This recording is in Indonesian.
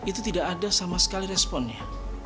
itu tidak ada sama sekali responnya